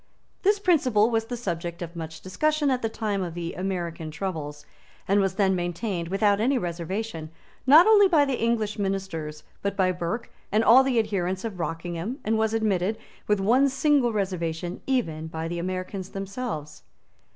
This principle was the subject of much discussion at the time of the American troubles, and was then maintained, without any reservation, not only by the English Ministers, but by Burke and all the adherents of Rockingham, and was admitted, with one single reservation, even by the Americans themselves.